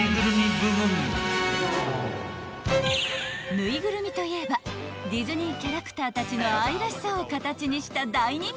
［ぬいぐるみといえばディズニーキャラクターたちの愛らしさを形にした大人気商品］